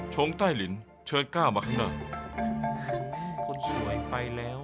ชงใต้หลินเชิญก้าวมาข้างหน้า